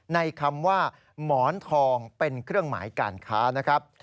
ในคำว่าหมอนทองเป็นเครื่องหมายการค้า